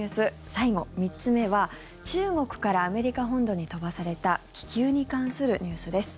最後、３つ目は、中国からアメリカ本土に飛ばされた気球に関するニュースです。